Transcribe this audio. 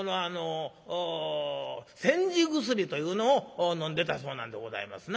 煎じ薬というのを飲んでたそうなんでございますな。